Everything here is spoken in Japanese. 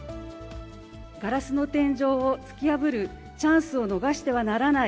ガラスの天井を突き破るチャンスを逃してはならない。